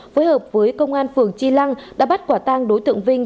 phối hợp với công an phường tri lăng đã bắt quả tang đối tượng vinh